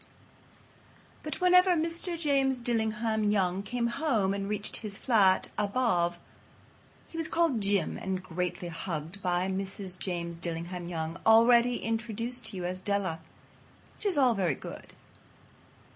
But whenever Mr. James Dillingham Young came home and reached his flat above he was called "Jim" and greatly hugged by Mrs. James Dillingham Young, already introduced to you as Della. Which is all very good.